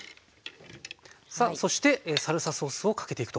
さあそしてサルサソースをかけていくと。